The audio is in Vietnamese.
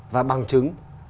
và bằng chứng